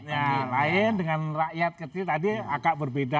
ya lain dengan rakyat kecil tadi agak berbeda